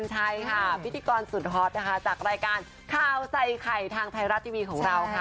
จากรายการข่าวใส่ไข่ทางไทยรัฐทีวีของเราค่ะ